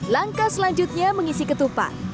langkah selanjutnya mengisi ketupat